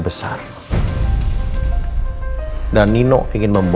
saya temenin ottuwon keluar dari sini pekin apa